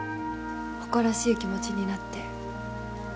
誇らしい気持ちになって